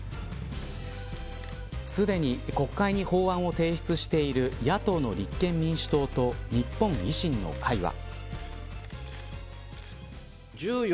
すでに国会に法案を提出している野党の立憲民主党と日本維新の会は。